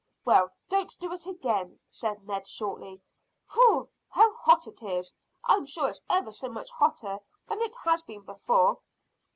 "Well, don't do it again," said Ned shortly. "Phew! How hot it is! I'm sure it's ever so much hotter than it has been before."